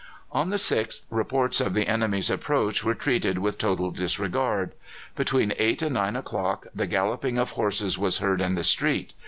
On the 6th, reports of the enemy's approach were treated with total disregard. Between eight and nine o'clock the galloping of horses was heard in the street.